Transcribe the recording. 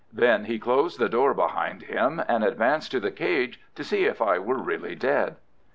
Then he closed the door behind him, and advanced to the cage to see if I were really dead.